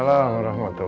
jangan lupa ya